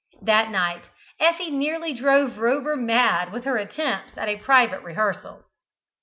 That night Effie nearly drove Rover mad with her attempts at a private rehearsal.